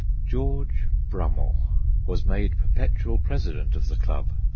George Brummell was made perpetual president of the club.